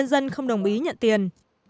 dân không đồng ý nhận tiền